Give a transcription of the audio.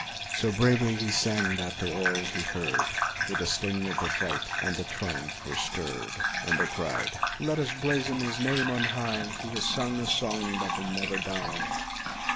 So bravely he sang that all who heard With the sting of the fight and the triumph were stirred. And they cried, *'Let us blazon his name on high, He has sung a song that will never die!"